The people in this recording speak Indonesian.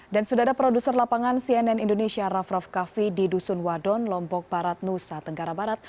dan sudah ada produser lapangan cnn indonesia raff raff kaffi di dusun wadon lombok barat nusa tenggara barat